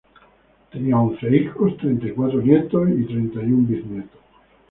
Tenía once hijos, treinta y cuatro nietos; y treinta y un biznieto.